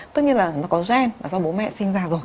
tất nhiên là nó có gen là do bố mẹ sinh ra rồi